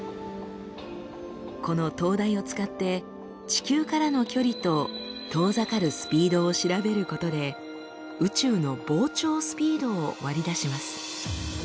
この灯台を使って地球からの距離と遠ざかるスピードを調べることで宇宙の膨張スピードを割り出します。